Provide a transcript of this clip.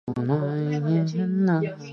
相当动人